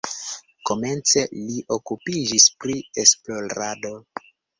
Komence li okupiĝis pri esplorado.